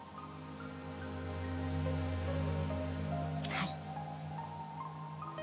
はい。